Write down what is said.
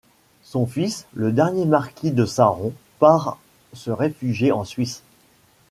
Son fils, le dernier marquis de Sarron part se réfugier en Suisse.